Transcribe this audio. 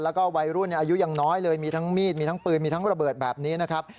แล้วก็วัยรุ่นอายุยังน้อยเลยมีทั้งมีดมีทั้งปืนมีทั้งระเบิดแบบนี้นะครับ